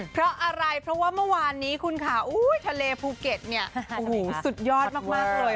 เพราะอะไรเพราะว่าเมื่อวานนี้คุณข่าวอู้ยทะเลภูเก็ตเนี่ยสุดยอดมากมากเลย